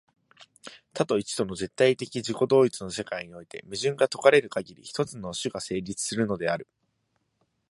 多と一との絶対矛盾的自己同一の世界において、矛盾が解かれるかぎり、一つの種が成立するのである。